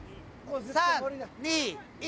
３２１。